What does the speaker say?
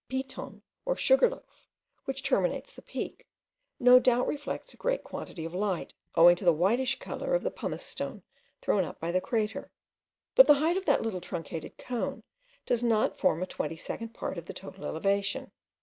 The Piton, or Sugar loaf, which terminates the peak, no doubt reflects a great quantity of light, owing to the whitish colour of the pumice stone thrown up by the crater; but the height of that little truncated cone does not form a twenty second part of the total elevation.